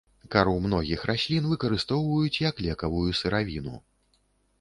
Кару многіх раслін выкарыстоўваюць як лекавую сыравіну.